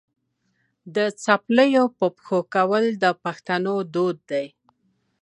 د څپلیو په پښو کول د پښتنو دود دی.